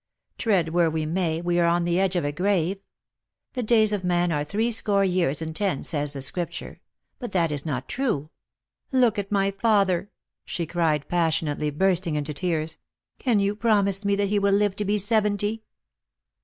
Tread where we may, we are on the edge of a grave. The days of man are threescore years and ten, says the Scripture. But that is not true. Look at my father," she cried passionately, bursting into tears ;" can you promise me that he will live to be seventy